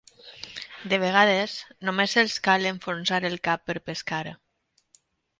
De vegades, només els cal enfonsar el cap per pescar.